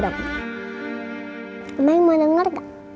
om baik mau denger gak